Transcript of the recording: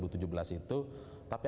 tapi ada sentiasa